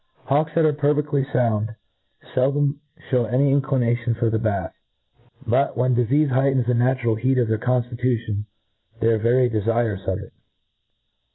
HAWKS that arc pcrfedly found, fcldooi fhew any inclination for the bath; but, when difeafe heightens the natural heat of their con ftitution, they are very defirous di it.